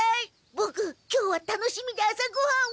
ボク今日は楽しみで朝ごはんを。